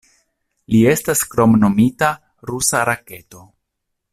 Li estas kromnomita "Rusa Raketo".